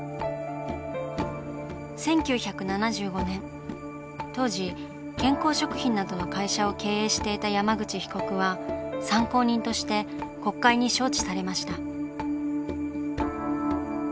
１９７５年当時健康食品などの会社を経営していた山口被告は参考人として国会に招致されました。